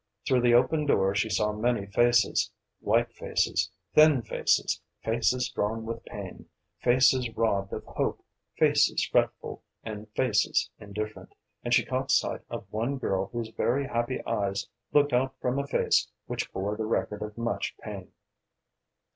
Through the open door she saw many faces: white faces, thin faces, faces drawn with pain, faces robbed of hope, faces fretful, and faces indifferent, and she caught sight of one girl whose very happy eyes looked out from a face which bore the record of much pain.